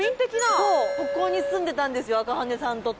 そうここに住んでたんですよ赤羽さんと。